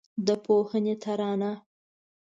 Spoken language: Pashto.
د پوهنې ترانه